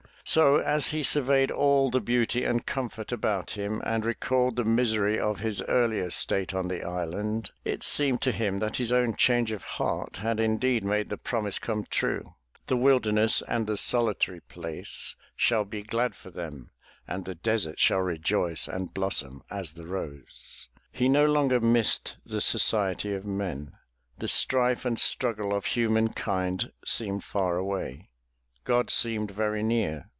So as he surveyed all the beauty and comfort about him and recalled the misery of his earlier state on the island, it seemed to him that his own change of heart had indeed made the promise come true, — "The wilderness and the solitary place shall be glad for them and the desert shall rejoice and blossom as the rose.'' He no longer missed the society of men. The strife and struggle of humankind seemed far away; God seemed very near.